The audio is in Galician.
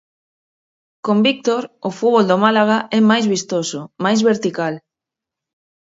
Con Víctor, o fútbol do Málaga é máis vistoso, máis vertical.